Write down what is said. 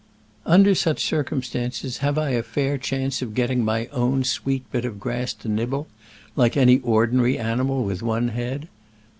Under such circumstances have I a fair chance of getting my own sweet bit of grass to nibble, like any ordinary animal with one head?